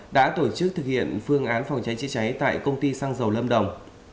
đã tổ chức thực hiện phương án phòng cháy chữa cháy tại công ty xăng dầu lâm đồng